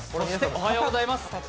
おはようございます。